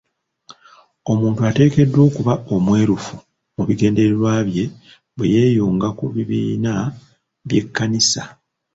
Omuntu ateekeddwa okuba omwerufu mu bigendererwa bye bwe yeeyunga ku bibiina by'ekkanisa.